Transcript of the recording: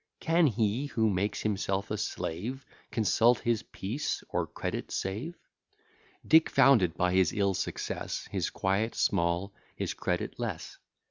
Can he, who makes himself a slave, Consult his peace, or credit save? Dick found it by his ill success, His quiet small, his credit less.